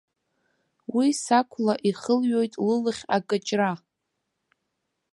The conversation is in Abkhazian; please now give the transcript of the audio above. Уи сақәла ихылҩоит лылахь акыҷра.